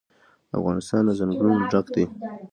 افغانستان له ځنګلونه ډک دی.